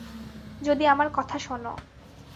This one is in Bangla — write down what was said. যদি আমার কথা শোনো।